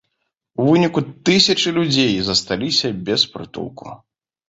У выніку тысячы людзей засталіся без прытулку.